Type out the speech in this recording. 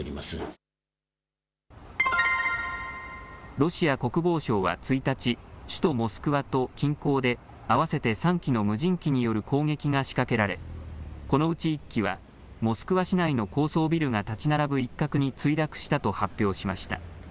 ロシア国防省は１日、首都モスクワと近郊で合わせて３機の無人機による攻撃が仕掛けられこのうち１機はモスクワ市内の高層ビルが建ち並ぶ一角に墜落したと発表しました。